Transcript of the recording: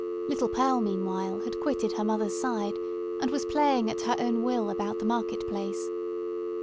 Little Pearl, meanwhile, had quitted her mother's side, and was playing at her own will about the market place.